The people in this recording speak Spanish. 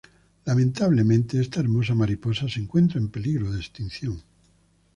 Lamentablemente esta hermosa mariposa se encuentra en peligro de extinción.